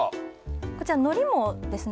こちら海苔もですね